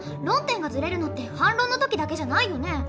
論点がずれるのって反論の時だけじゃないよね。